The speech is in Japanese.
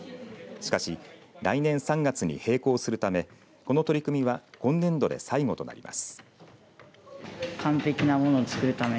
しかし、来年３月に閉校するためこの取り組みは今年度で最後となります。